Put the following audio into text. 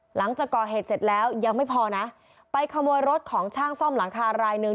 หลังจากก่อเหตุเสร็จแล้วยังไม่พอนะไปขโมยรถของช่างซ่อมหลังคารายหนึ่ง